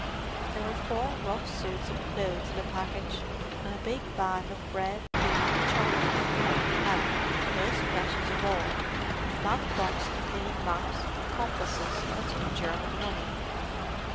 There were four rough suits of clothes in the package; a big bag of bread, meat, and chocolate; and, most precious of all, a flat box containing maps, compasses, and some German money.